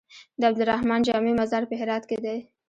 د عبدالرحمن جامي مزار په هرات کی دی